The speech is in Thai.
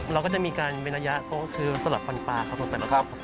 เราก็จะมีการเวลายะคือสลับฟันปลาครับครับ